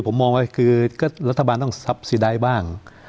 ผมมองว่ารัฐบาลต้องสับสีได้บ้าง